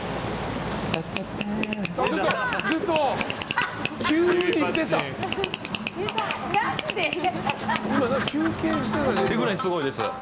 ってぐらいすごいです。